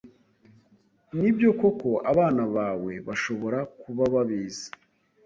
Ni byo koko abana bawe bashobora kuba babizi